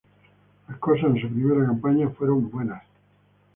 Las cosas en su primera campaña fueron buenas.